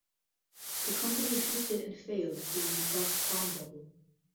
The company existed and failed during the dot com bubble.